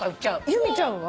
由美ちゃんは？